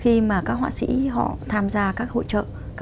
khi mà các họa sĩ họ tham gia các hội trợ